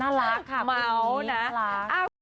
น่ารักค่ะพรุ่งนี้